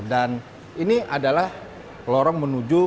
dan ini adalah lorong menuju